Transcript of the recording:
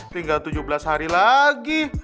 tinggal tujuh belas hari lagi